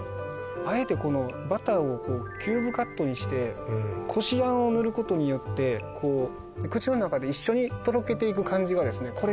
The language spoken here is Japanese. あえてこのバターをキューブカットにしてこしあんを塗ることによって口の中で一緒にとろけていく感じがですね